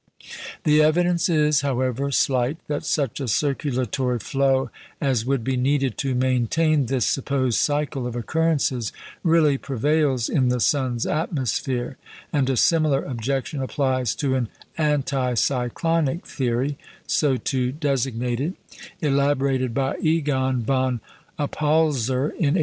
The evidence is, however, slight that such a circulatory flow as would be needed to maintain this supposed cycle of occurrences really prevails in the sun's atmosphere; and a similar objection applies to an "anticyclonic theory" (so to designate it) elaborated by Egon von Oppolzer in 1893.